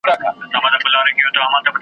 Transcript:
د بچیو له ماتمه ژړېدله .